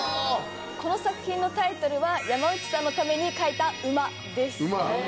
この作品のタイトルは『山内さんのために描いた馬』です。